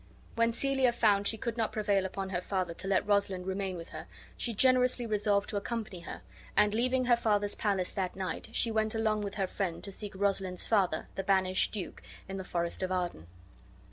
When Celia found she could not prevail upon her father to let Rosalind remain with her, she generously resolved to accompany her; and, leaving her father's palace that night, she went along with her friend to seek Rosalind's father, the banished duke, in the forest of Arden.